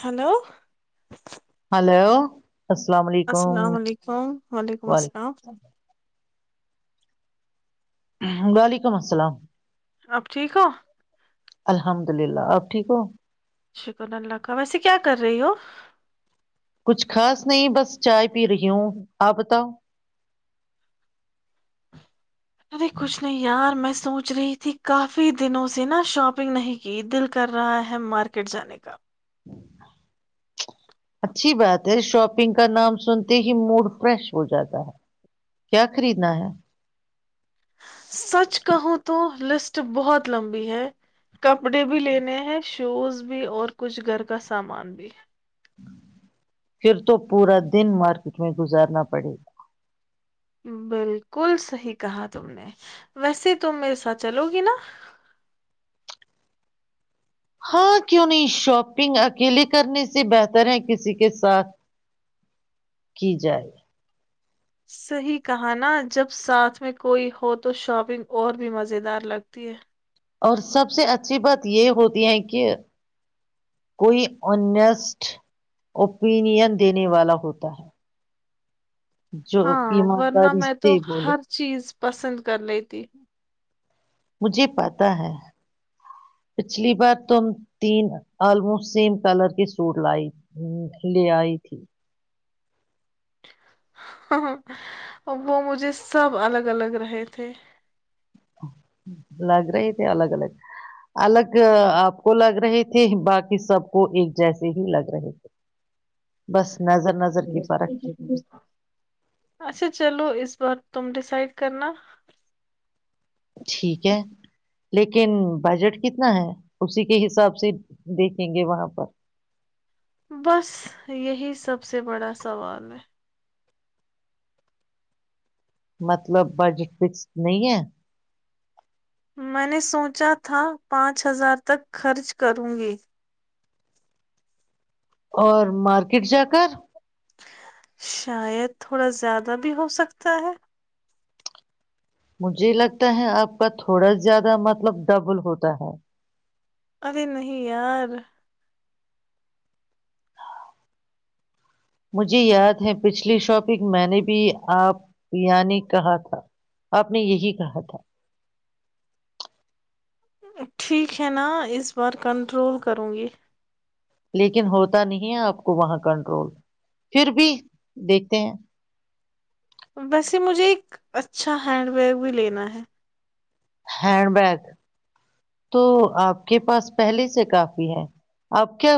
Hello hello السلام علیکم السلام علیکم وعلیکم السلام وعلیکم السلام اپ ٹھیک ہو الحمد للہ آپ ٹھیک ہو شکر اللہ کا ویسے کیا کر رہی ہو [unintelligible] کچھ خاص نہیں بس چائے پی رہی ہوں آپ بتاؤ اب کچھ نہیں یار میں سوچ رہی تھی کافی دنوں سے نا شاپنگ نہیں کی دل کر رہا ہے مارکیٹ جانے کا [unintelligible] اچھی بات ہے شاپنگ کا نام سنتے ہی موڈ فریش ہو جاتا ہے کیا خریدنا ہے سچ کہوں تو لسٹ بہت لمبی ہے کپڑے بھی لینے ہیں شوز بھی اور کچھ گھر کا سامان بھی پھر [unintelligible] تو پورا دن مارکیٹ میں گزارنا [unintelligible] بڑے [unintelligible] بالکل صحی کہا تم نے ویسے ت میرے ساتھ چلو گی نا [unintelligible] ہاں کیوں نہیں شاپنگ اکیلے کرنے سے بہتر ہے کسی کے ساتھ کی جائے [unintelligible] صحیح کہانا جب ساتھ میں کوئی ہو تو شاپنگ اور بھی مزیدار لگتی ہے [unintelligible] اور سب سے اچھی بات یہ ہوتی ہے کہ کوئی اسٹ اوپینین دینے والا ہوتا ہے جو ہاں ورنہ ایمانداری میں تو سے بولو ہر چیز پسند کر لیتی [unintelligible] مجھے پتا ہے پچھلی بار تم تین آلموسٹ سیم کلر کے سوٹ لائی لے آئی تھی [unintelligible] ہ وہ مجھے سب الگ الگ رہے تھے [unintelligible] لگ رہے تھے الگ الگ الگ آپ کو لگ رہے تھے باقی سب کو ایک جیسے ہی لگ رہے تھے [unintelligible] نظر نظر کی فرق ہے۔ اچھا چلو اس بار [unintelligible] تم ڈسائڈ کرنا [unintelligible] ٹھیک ہے [unintelligible] لیکن بجٹ کتنا ہے اسی کے حساب سے دیکھیں گے وہاں پر بس یہی سب سے بڑا سوال ہے [unintelligible] مطلب بجٹ فکسڈ نہیں ہے [unintelligible] میں نے سوچا تھا پانچ ہزار تک خرچ کروں گی اور مارکیٹ جا کر شاید تھوڑا زیادہ بھی ہو سکتا ہے مجھے لگتا ہے آپ کا تھوڑا زیادہ مطلب ڈبل ہوتا ہے ارے نہیں یار مجھے یاد ہے پچھلی شاپنگ میں نے بھی آپیانی کہا تھا آپ نے یہی کہا تھا ٹھیک ہے نا اس بار کنٹرول کروں گی لیکن ہوتا نہیں ہے آپ کو وہاں کنٹرول پھر بھی دیکھتے ہیں ویسے مجھے ایک اچھا ہینڈ بیگ بھی لینا ہے ہینڈ بیگ تو آپ کے پاس پہلے سے کافی ہے آپ کیا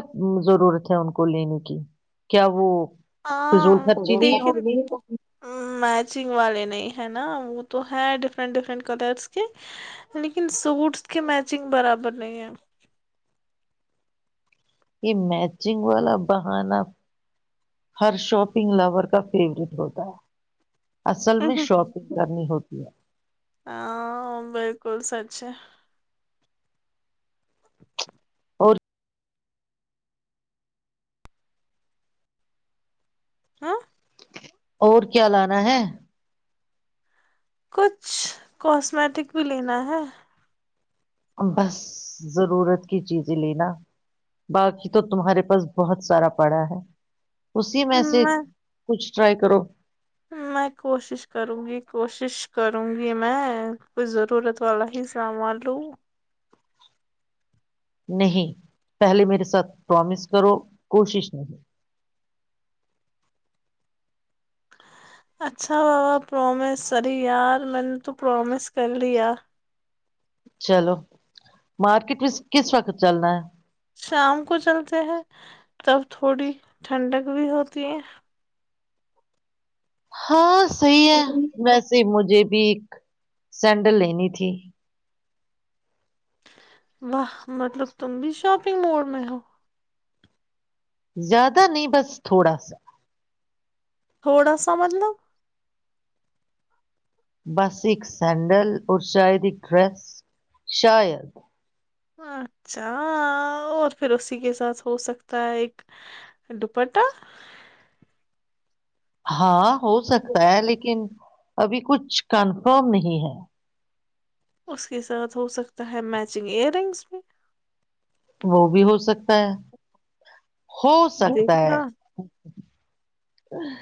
ضرورت ہے ان کو لینے کی کیا وہ ہاں فضول خرچی دھے نہیں ہوگی میچنگ والے نہیں ہے نا وہ تو ہے ڈفرنٹ ڈفرنٹ کلرس کے لیکن سوٹس کے میچنگ برابر نہیں ہے [unintelligible] یہ میچنگ والا بہانا ہر شاپنگ لور کا فیوریٹ ہوتا ہے اصل میں شاپنگ کرنی ہوتی ہے ہاں بالکل سچ [unintelligible] اچھا [unintelligible] اور ہاں اور کیا لانا ہے کچھ کاسمیٹک بھی لینا ہے بس ضرورت کی چیزیں لینا باقی تو تمہارے پاس بہت سارا پڑا ہے اسی میں سے کچھ ٹرائی کرو میں کوشش کروں گی کوشش کروں گی میں کچھ ضرورت والا ہی سامان لوں نہیں پہلے میرے ساتھ پرامس کرو کوشش نہیں اچھا بابا پرومس سری یار میں نے تو پرومس کر ل یار چلو مارکیٹ میں کس وقت چلنا ہے شام کو چلتے ہیں تب تھوڑی ٹھنڈک بھی ہوتی ہے ہاں صحیح ہے ویسے مجھے ویک سینڈل لینی تھی واہ مطلب تم بھی شاپنگ موڈ میں ہو زیادہ نہیں بس تھوڑا سا تھوڑا سا مطلب بس ایک سینڈل اور شاید ایک ڈریس شاید اچھا اور پھر اسی کے ساتھ ہو سکتا ہے ایک دوپٹہ ہاں ہو سکتا ہے لیکن ابھی کچھ کنفرم نہیں ہے اس کے ساتھ ہو سکتا ہے میچنگ ایئر رنگس بھی وہ بھی ہو سکتا ہے ہو سکتا ہے دیکھا ا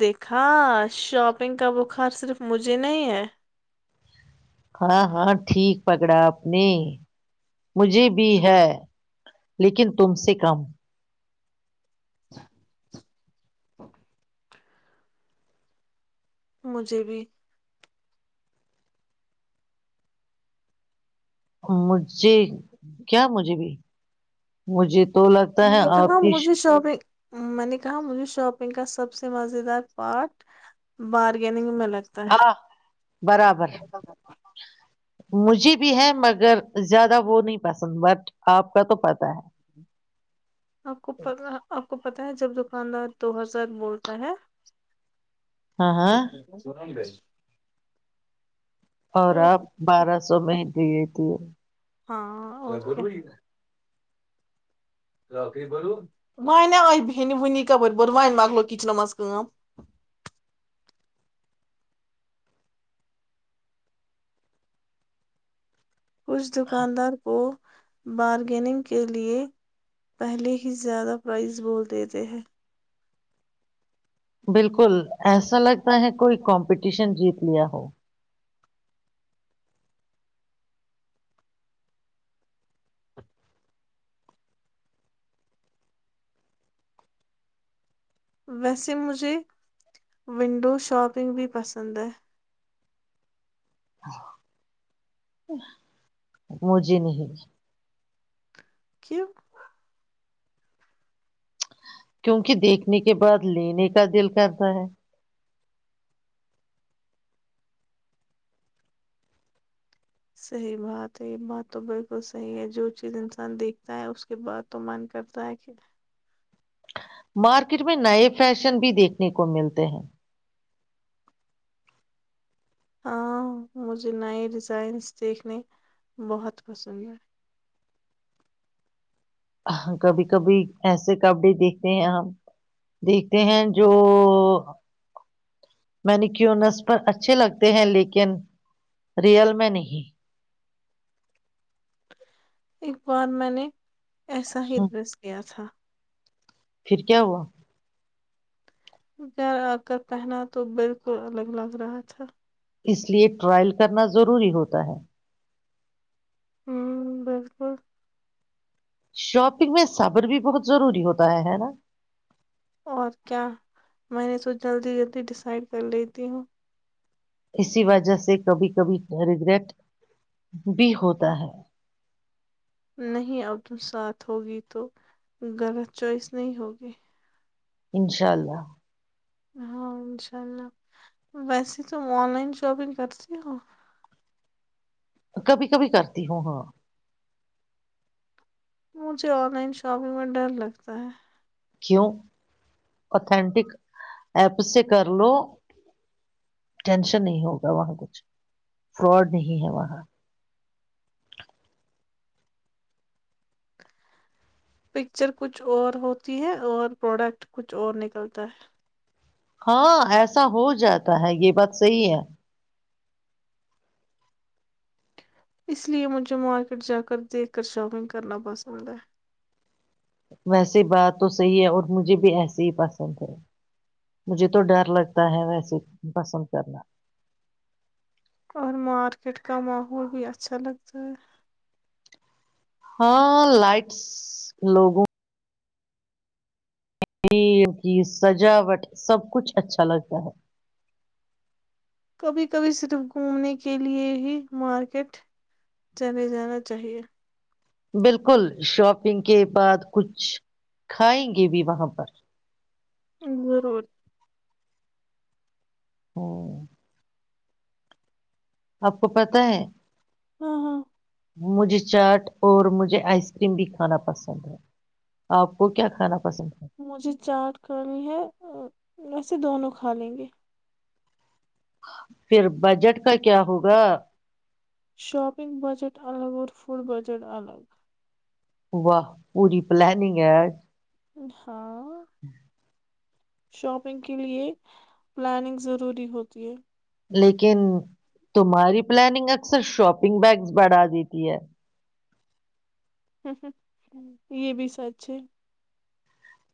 دیکھا شاپنگ کا بخار صرف مجھے نہیں ہے ہاں ہاں ٹھیک پکڑا آپ نے مجھے بھی ہے لیکن تم سے کم مجھے بھی مجھے کیا مجھے بھی مجھے تو لگتا میں ہے نے آپ کہا کی مجھے شاپنگ میں نے کہا مجھے شاپنگ کا سب سے مز دار پارٹ بارگیننگ مل ہاں برابر مجھے بھی ہے مگر زیادہ وہ نہیں پسند بٹ آپ کا تو پت ہے آک پت آک پت جب دکاندار دو ہزار بولتا ہے ہاں ہاں سورام بھائی اور تو آپ بارہ سو میں ہی دیے تھے ہاں اور ونی آئی بنے ونی کپور ب و مکل کچن مز کچھ دکاندار کو بارگیننگ کے لئے پہلے ہی زیادہ پرائز بول دیتے ہیں بالکل ایسا لگ کوئی کمپٹیشن جیت لیا ہو ویسے مجھے ونڈو شاپنگ بھی پسند ہے مجھے نہیں کی کیونکہ دیکھنے کے بعد لینے کا دل کرتا ہے صحیح بات ہے یہ بات تو بالکل صحیح ہے جو چیز انسان دیکھتا ہے اس کے بعد تو من کرتا ہے کہ مارکیٹ میں نئے فیشن بھی دیکھنے کو ملتے ہیں ہاں مجھے نئے ڈیزائنس دیکھنے بہت پسند ہیں کبھی کبھی ایسے کبڈی دیکھتے ہیں ہم دیکھتے ہیں جو میں نے کیونس پر اچھے لگتے ہیں لیکن ریئل میں نہیں ایک بار میں نے ایسا ہی ڈریس گیا تھا پھر کیا ہوا گھر آ کر پہنا تو بالکل الگ لگ رہا تھا اس لیے ٹرائل کرنا ضروری ہوتا ہے ہوں بالکل شاپنگ میں صابر بھی بہت ضروری ہوتا ہے ہے نا اور کیا میں نے سو جلدی جلدی ڈسائڈ کر لیتی ہوں اسی وجہ سے کبھی کبھی ریگریٹ بھی ہوتا ہے نہیں اب تم ساتھ ہوگی تو غلط چوائس نہیں ہوگی انشاء اللہ ہاں انشاء اللہ ویسے تم آن لائن شاپنگ کرتی ہو کبھی کبھی کرتی ہوں ہاں مجھے آن لائن شاپنگ میں ڈر لگتا ہے کیوں اتنٹک ایپ سے کر لو ٹینشن نہیں ہوگا وہاں کچھ فراڈ نہیں ہے وہاں پکچر کچھ اور ہوتی ہے اور پروڈکٹ کچھ اور نکلتا ہے ہاں ایسا ہو جاتا ہے یہ بات صحی ہے اس لیئے مجھے مارکیٹ جا کر دیکھ کر شاپنگ کرنا پسند ہے ویسیے بات تو صحی ہے اور مجھے بھی ایسے ہی پسند ہے مجھے تو ڈر لگتا ہے ویسے پسند کرنا اور مارکیٹ کا ماحول بھی اچھا لگتا ہے ہاں لائٹس لوگوں کی سجاوٹ سب کچھ اچھا لگتا ہے کبھی کبھی صرف گھومنے کے لیئے ہی مارکیٹ چلے جانا چاہیے بالکل شاپنگ کے بعد کچھ کھائیں گے بھی وہاں پر ضرور [inaudible] آپ کو پت ہے ہاں ہاں مجھے چاٹ اور مجھے آئس کریم بھی کھانا پسند ہے آپ کو کیا کھانا پسند ہے مجھے چاٹ کرنی ہے ویسے دونوں کھا لیں گے پھر بجٹ کا کیا ہوگا شاپنگ بجٹ الگ اور فڈ بجٹ الگ واہ پوری پلانگ ہے ہاں شاپنگ کے لیئے پلاننگ ضروری ہوتی ہے لیکن تمہاری پلاننگ اکثر شاپنگ بیگس بڑھا دیتی ہے یہ بھی سچ ہے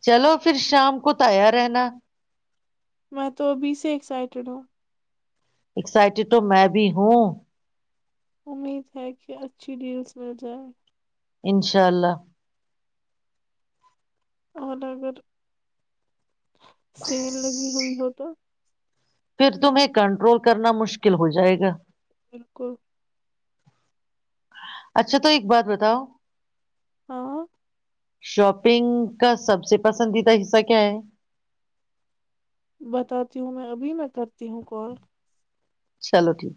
چلو پھر شام کو ت آیا رہنا میں تو ابھی سے ایکسائٹیڈ ہوں اسائٹیڈ تو میں بھی ہوں امید ہے کہ اچھی ڈیلز مل جائیں اشاء اللہ اور اگر سین لگی ہوئی ہو تو پھر تمہیں کنٹرول کرنا مشکل ہو جائے گا بالکل اچھا تو ایک بات بتاؤ ہاں شاپنگ کا سب سے پسندیدہ حصہ کیا ہے بتاتی ہوں میں ابھی میں کرتی ہوں کال چلو ٹھیک